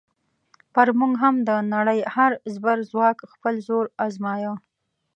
پر موږ هم د نړۍ هر زبرځواک خپل زور ازمایه.